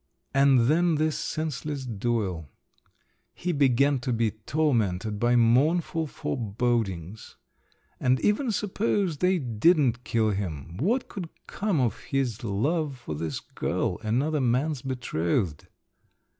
And then this senseless duel! He began to be tormented by mournful forebodings. And even suppose they didn't kill him…. What could come of his love for this girl, another man's betrothed?